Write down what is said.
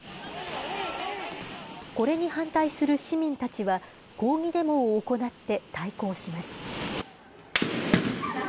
これに反対する市民たちは、抗議デモを行って対抗します。